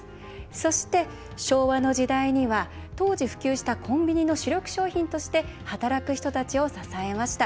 そして、昭和の時代には当時、普及したコンビニの主力商品として働く人たちを支えました。